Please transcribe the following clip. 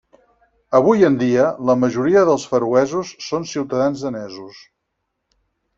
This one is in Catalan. Avui en dia, la majoria dels feroesos són ciutadans danesos.